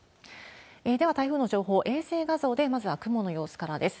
では、台風の情報、衛星画像で、まずは雲の様子からです。